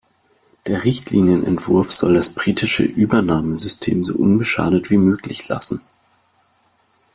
Der Richtlinienentwurf soll das britische Übernahmesystem so unbeschadet wie möglich lassen.